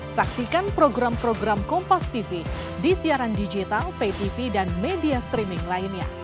saksikan program program kompastv di siaran digital paytv dan media streaming lainnya